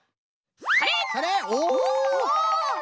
それ！